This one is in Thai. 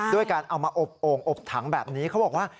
ด้วยการเอามาอบโอ่งอบถังแบบนี้เขาบอกว่า